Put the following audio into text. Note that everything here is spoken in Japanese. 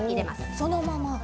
そのまま。